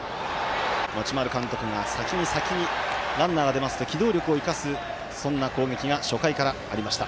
持丸監督が、先に先にランナーが出ますと機動力を生かすそんな攻撃が初回からありました。